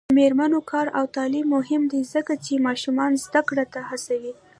د میرمنو کار او تعلیم مهم دی ځکه چې ماشومانو زدکړې ته هڅوي.